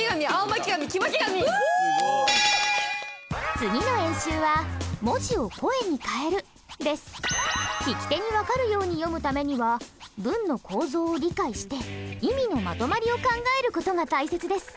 次の演習は聞き手に分かるように読むためには文の構造を理解して意味のまとまりを考える事が大切です。